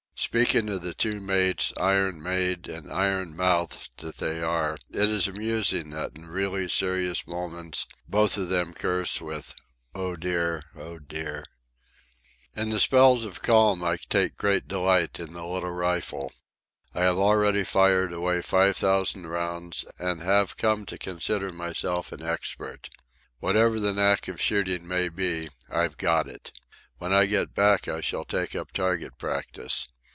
Speaking of the two mates, iron made and iron mouthed that they are, it is amusing that in really serious moments both of them curse with "Oh dear, oh dear." In the spells of calm I take great delight in the little rifle. I have already fired away five thousand rounds, and have come to consider myself an expert. Whatever the knack of shooting may be, I've got it. When I get back I shall take up target practice.